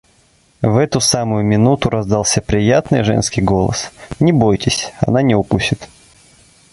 В эту самую минуту раздался приятный женский голос: «Не бойтесь, она не укусит».